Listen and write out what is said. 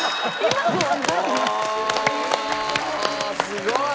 すごい！